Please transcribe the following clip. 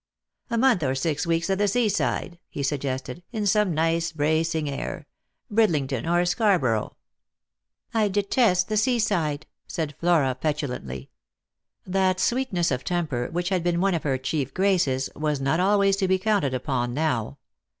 "A month or six weeks at the seaside," he suggested; "in some nice bracing air — Bridlington or Scarborough." " I detest the seaside !" said Flora petulantly. That sweet ness of temper which had been one of her chief graces was not always to be counted upon now.